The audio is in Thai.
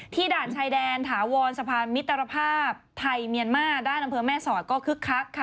ด่านชายแดนถาวรสะพานมิตรภาพไทยเมียนมาด้านอำเภอแม่สอดก็คึกคักค่ะ